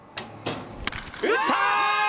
打った！